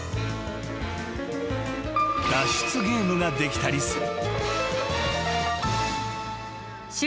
［脱出ゲームができたりする］